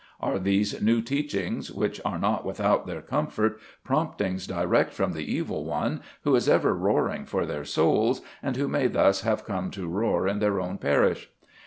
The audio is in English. Are these new teachings, which are not without their comfort, promptings direct from the Evil One, who is ever roaring for their souls, and who may thus have come to roar in their own parish?